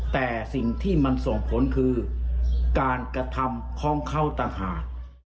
แต่สิ่งที่มันส่งผลคือการกระทำของเขาต่างหาก